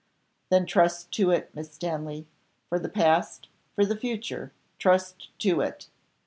"Then trust to it, Miss Stanley, for the past, for the future, trust to it!